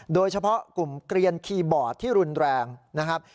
โดยเฉพาะกลุ่มเกลียนคีย์บอร์ดที่รุนแรงนะครับ